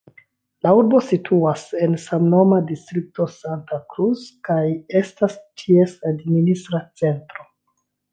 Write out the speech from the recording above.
La urbo situas en samnoma distrikto Santa Cruz kaj estas ties administra centro.